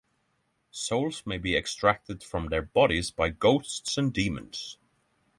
Souls may be extracted from their bodies by ghosts and demons.